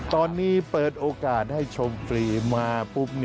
ตอนนี้เปิดโอกาสให้ชมฟรีมาปุ๊บ